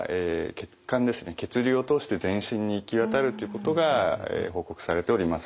血流を通して全身に行き渡るということが報告されております。